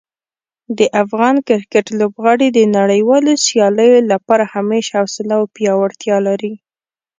د افغان کرکټ لوبغاړي د نړیوالو سیالیو لپاره همیش حوصله او پیاوړتیا لري.